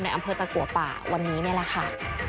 อำเภอตะกัวป่าวันนี้นี่แหละค่ะ